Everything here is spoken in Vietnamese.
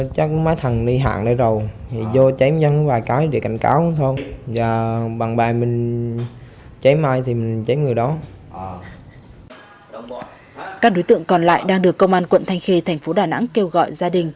các đối tượng còn lại đang được công an quận thanh khê thành phố đà nẵng kêu gọi gia đình